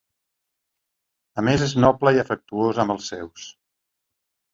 A més és noble i afectuós amb els seus.